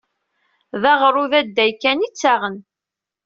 D aɣrud adday kan i ttaɣen.